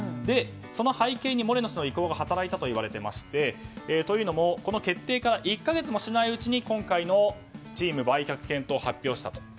その背景にモレノ氏の意向が働いたといわれていましてというのも、この決定から１か月もしないうちに今回のチーム売却検討を発表したと。